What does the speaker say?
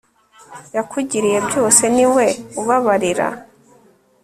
yakugiriye byose niwe ubabarira